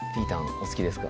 お好きですか？